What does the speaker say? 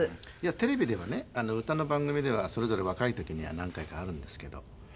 テレビではね歌の番組ではそれぞれ若い時には何回かあるんですけど。